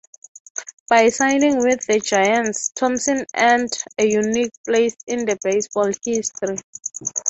By signing with the Giants, Thompson earned a unique place in the baseball history.